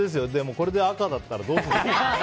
これで赤だったらどうするの？